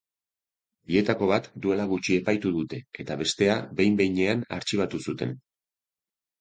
Bietako bat duela gutxi epaitu dute, eta bestea behin-behinean artxibatu zuten.